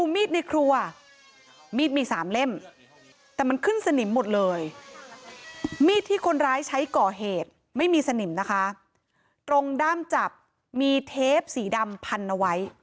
มีดที่คนร้ายใช้ก่อเหตุไม่มีสนิมนะคะตรงด้ามจับมีเทปสีดำพันเอาไว้